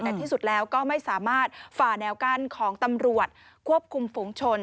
แต่ที่สุดแล้วก็ไม่สามารถฝ่าแนวกั้นของตำรวจควบคุมฝูงชน